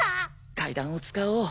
階段を使おう。